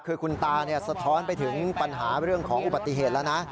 คือคุณตาสะท้อนไปถึงปัญหาเรื่องของอุบัติเหตุแล้วนะ